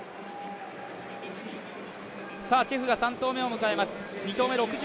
チェフが３投目を迎えます